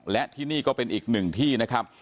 และที่นี่ก็เป็นอีกหนึ่งที่นะครับ